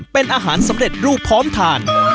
เป็นอาหารสำเร็จรูปพร้อมทาน